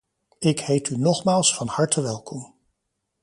Ik heet u nogmaals van harte welkom!